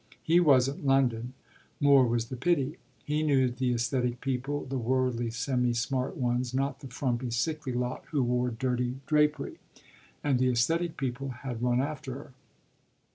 He wasn't London, more was the pity. He knew the esthetic people the worldly, semi smart ones, not the frumpy, sickly lot who wore dirty drapery; and the esthetic people had run after her.